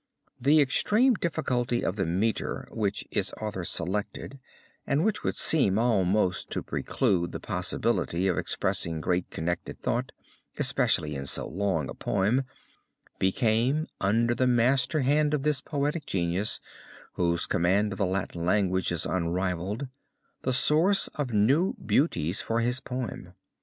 The extreme difficulty of the meter which its author selected and which would seem almost to preclude the possibility of expressing great connected thought, especially in so long a poem, became under the master hand of this poetic genius, whose command of the Latin language is unrivaled, the source of new beauties for his poem.